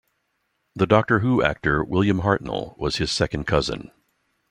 The Doctor Who actor William Hartnell was his second cousin.